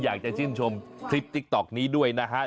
อยากจะชื่นชมคลิปติ๊กต๊อกนี้ด้วยนะฮะ